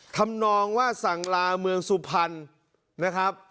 ทำนองว่าสั่งลาเมืองสุพรรณนะครับ